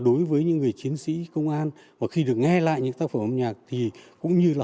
đối với những người chiến sĩ công an mà khi được nghe lại những tác phẩm âm nhạc thì cũng như là